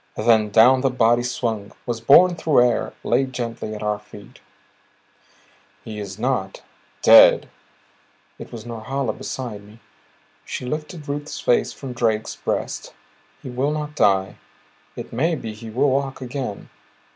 Then down the body swung, was borne through air, laid gently at our feet. "He is not dead," it was Norhala beside me; she lifted Ruth's face from Drake's breast. "He will not die. It may be he will walk again.